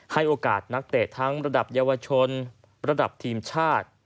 ให้โอกาสนักเตะทั้งระดับเยาวชนระดับทีมชาติ